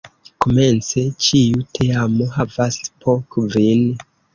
Komence ĉiu teamo havas po kvin.